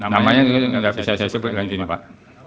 namanya bisa saya sebutkan disini pak